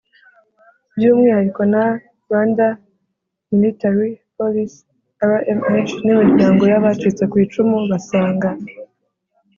By umwihariko na rwanda military hospital rmh n imiryango y abacitse ku icumu basanga